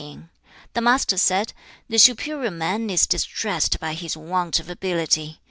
XVIII. The Master said, 'The superior man is distressed by his want of ability.